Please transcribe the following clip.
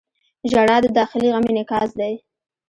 • ژړا د داخلي غم انعکاس دی.